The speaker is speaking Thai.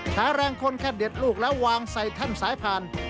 หาแรงคนแค่เด็ดลูกแล้ววางใส่แท่นสายผ่าน